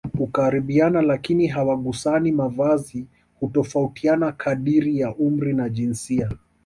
hukaribiana lakini hawagusani Mavazi hutofautiana kadiri ya umri na jinsia